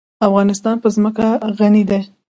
افغانستان په ځمکه غني دی.